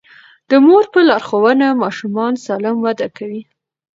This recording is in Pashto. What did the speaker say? د مور په لارښوونه ماشومان سالم وده کوي.